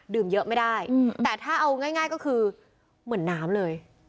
ดื่มเยอะไม่ได้อืมแต่ถ้าเอาง่ายง่ายก็คือเหมือนน้ำเลย